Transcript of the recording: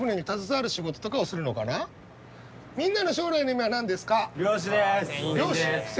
みんなの将来の夢は何ですか？